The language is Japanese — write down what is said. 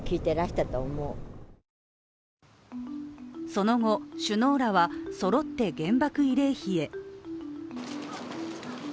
その後、首脳らはそろって原爆慰霊碑へ。